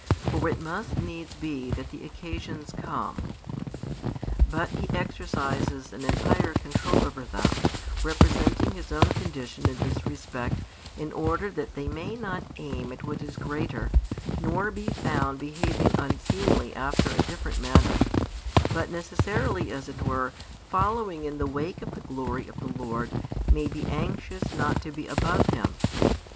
for it must needs be that the occasions come. But He exercises an entire control over them, representing His own condition in this respect in order that they may not aim at what is greater nor be found behaving unseemly after a different manner, but necessarily as it were following in the wake of the glory of the Lord may be anxious not to be above Him.